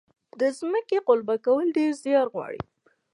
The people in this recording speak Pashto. د ځمکې قلبه کول ډیر زیار غواړي.